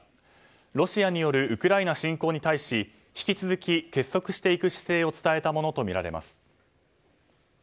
ロシアによるウクライナ侵攻に対し引き続き結束していく姿勢を伝えたものとみられます。